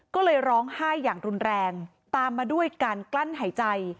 ก็เลยร้องไห้อย่างรุนแรงตามมาด้วยการกลั้นหายใจ